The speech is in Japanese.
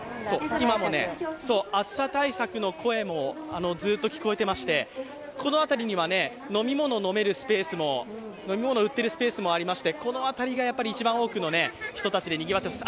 今、暑さ対策の声もずっと聞こえてましてこのあたりには飲み物を飲める、飲み物を売っているスペースもありましてこの辺りが一番多くの人たちでにぎわっています。